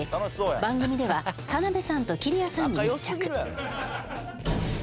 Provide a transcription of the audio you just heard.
番組では田辺さんときりやさんに密着。